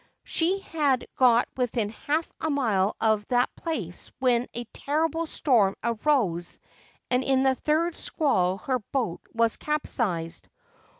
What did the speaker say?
She had got within half a mile of that place when a terrible storm arose, and in the third squall her boat was capsized.